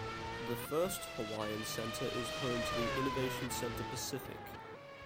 The First Hawaiian Center is home to the Innovation Center Pacific.